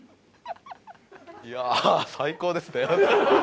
いやあ最高ですね！